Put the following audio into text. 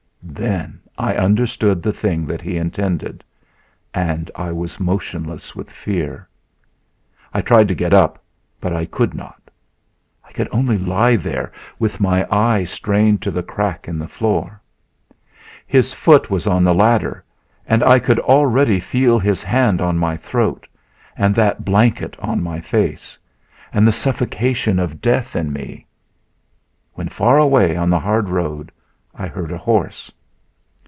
Then I understood the thing that he intended, and I was motionless with fear. I tried to get up, but I could not. I could only lie there with my eye strained to the crack in the floor. His foot was on the ladder, and I could already feel his hand on my throat and that blanket on my face, and the suffocation of death in me, when far away on the hard road I heard a horse!